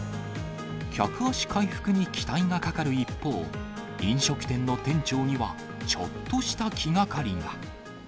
客足回復に期待がかかる一方、飲食店の店長には、ちょっとした気がかりが。